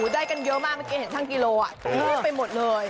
ได้กันเยอะมากเมื่อกี้เห็นทั้งกิโลเต็มไปหมดเลย